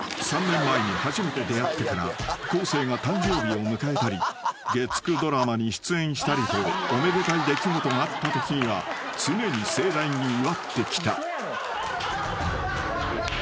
［３年前に初めて出会ってから昴生が誕生日を迎えたり月９ドラマに出演したりとおめでたい出来事があったときには常に盛大に祝ってきた］